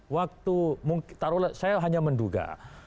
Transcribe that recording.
waktu saya hanya menduga